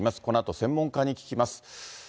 このあと専門家に聞きます。